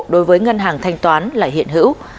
đối với ngân hàng thanh toán lại hiện hữu